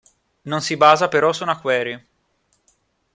Non si basa però su una query.